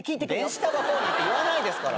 「電子たばこ？」なんて言わないですから。